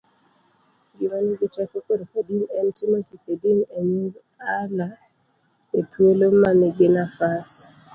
gima nigi teko korka din en timo chike din e nyingAllahethuolomaniginafas